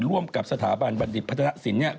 ร่วมกับสถาบันบัณฑิตพัฒนศิลป์